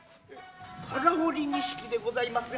唐織錦でございますが。